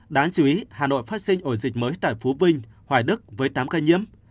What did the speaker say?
đáng chú ý hà nội phát sinh ổ dịch mới tại phú vinh hoài đức với tám ca nhiễm